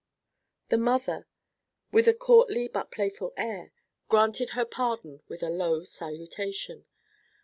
The mother, with a courtly but playful air, granted her pardon with a low salutation.